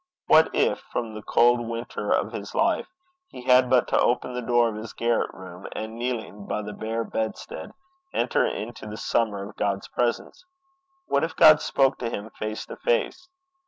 What if, from the cold winter of his life, he had but to open the door of his garret room, and, kneeling by the bare bedstead, enter into the summer of God's presence! What if God spoke to him face to face!